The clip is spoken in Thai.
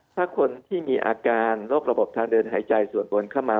ถ้าคนที่มีอาการโรคระบบทางเดินหายใจส่วนบนเข้ามา